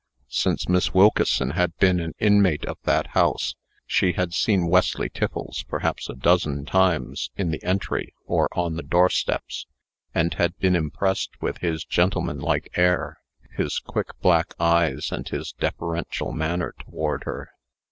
Since Miss Wilkeson had been an inmate of that house, she had seen Wesley Tiffles perhaps a dozen times, in the entry or on the doorsteps, and had been impressed with his gentlemanlike air, his quick black eyes, and his deferential manner toward her.